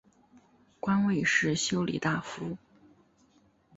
官位是修理大夫。